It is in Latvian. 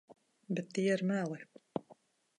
Bet tie ir meli.